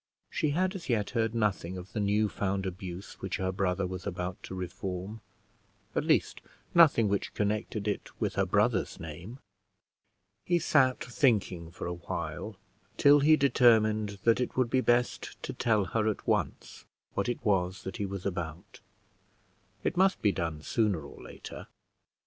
She had as yet heard nothing of the new found abuse which her brother was about to reform; at least nothing which connected it with her brother's name. He sat thinking for a while till he determined that it would be best to tell her at once what it was that he was about: it must be done sooner or later.